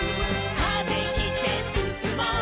「風切ってすすもう」